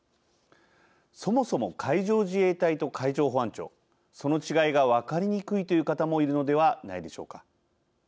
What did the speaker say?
そもそも海上自衛隊と海上保安庁その違いが分かりにくいという方もいるのではないでしょうか。